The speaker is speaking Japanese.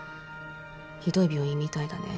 ひどい病院みたいだね。